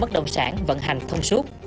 bất động sản vận hành thông suốt